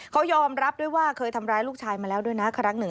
เขายอมรับด้วยว่าเคยทำร้ายลูกชายมาแล้วด้วยนะครั้งหนึ่ง